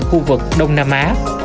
khu vực đông nam á